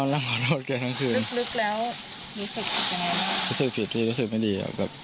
รู้สึกผิดรู้สึกไม่ดี